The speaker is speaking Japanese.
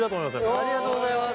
ありがとうございます。